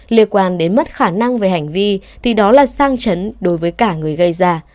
liên quan đến mất khả năng về hành vi thì đó là sang chấn đối với cả người gây ra